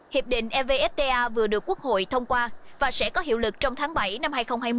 hiệp định evfta vừa được quốc hội thông qua và sẽ có hiệu lực trong tháng bảy năm hai nghìn hai mươi